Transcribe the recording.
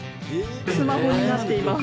スマホになっています。